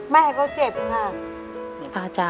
ไม่ให้เขาเจ็บค่ะ